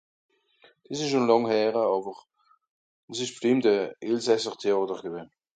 des esch schòn làng hèere àwer des (àss'i) stìmmt a elsàsser Téàter gewenn